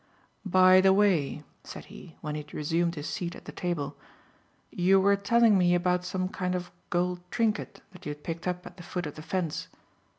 "By the way," said he, when he had resumed his seat at the table, "you were telling me about some kind of gold trinket that you had picked up at the foot of the fence.